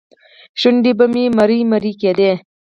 شونډې به مې مرۍ مرۍ کېدې.